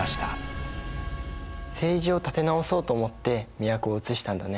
政治を立て直そうと思って都をうつしたんだね。